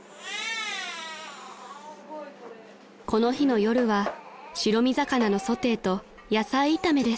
［この日の夜は白身魚のソテーと野菜炒めです］